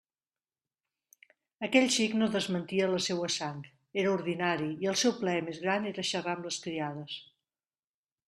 Aquell xic no desmentia la seua sang; era ordinari, i el seu plaer més gran era xarrar amb les criades.